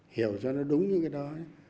hiểu cho nó đúng như cái đó ấy